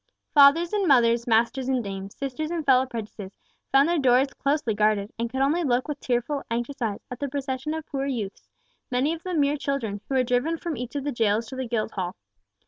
Fathers and mothers, masters and dames, sisters and fellow prentices, found their doors closely guarded, and could only look with tearful, anxious eyes, at the processions of poor youths, many of them mere children, who were driven from each of the jails to the Guildhall.